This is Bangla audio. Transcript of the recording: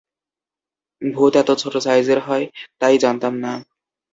ভূত এত ছোট সাইজের হয়, তা-ই জানতাম না।